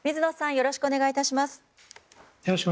よろしくお願いします。